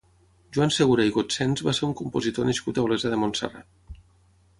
Joan Segura i Gotsens va ser un compositor nascut a Olesa de Montserrat.